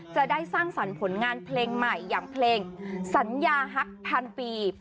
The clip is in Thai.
จะได้สร้างสรรค์ผลงานเพลงใหม่อย่างเพลงสัญญาฮักพันปี